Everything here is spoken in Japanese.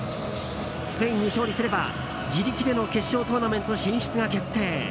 スペインに勝利すれば、自力での決勝トーナメント進出が決定。